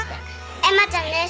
瑛麻ちゃんです。